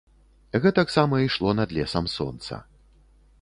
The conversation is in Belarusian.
Гэтаксама ішло над лесам сонца.